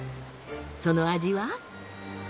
その味は？